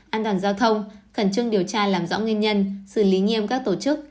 an toàn giao thông khẩn trương điều tra làm rõ nguyên nhân xử lý nghiêm các tổ chức